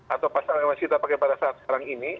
atau pasal yang masih kita pakai pada saat sekarang ini